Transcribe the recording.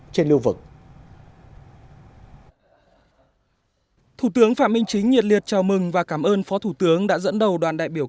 thủ tướng phạm minh chính nhiệt liệt chào mừng và cảm ơn phó thủ tướng đã dẫn đầu đoàn đại biểu